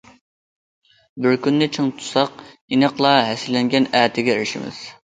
بىر كۈننى چىڭ تۇتساق ئېنىقلا ھەسسىلەنگەن ئەتىگە ئېرىشىمىز.